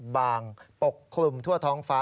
บางปกคลุมทั่วท้องฟ้า